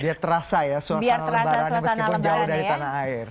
biar terasa ya suasana lebaran ya meskipun jauh dari tanah air